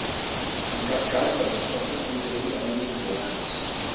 En cap cas les respostes són jurídicament vinculants.